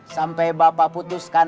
sampai bapak putuskan